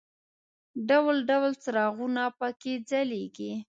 ډول ډول څراغونه په کې ځلېږي.